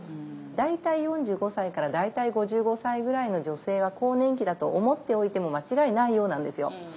大体４５歳から大体５５歳ぐらいの女性は更年期だと思っておいても間違いないようなんですよ。